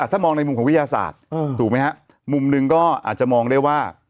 ถ้ามองในมุมของวิทยาศาสตร์ถูกไหมฮะมุมหนึ่งก็อาจจะมองได้ว่า